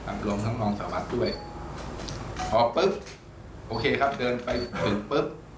อ่ะพร้อมทั้งนองสาวบัตรด้วยอ๋อปึ๊บโอเคครับเดินไปถึงปึ๊บ